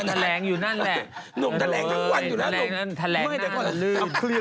สวัสดีครับ